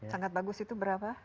sangat bagus itu berapa